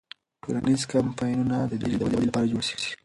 ټولنیز کمپاینونه دې د ژبې د ودې لپاره جوړ سي.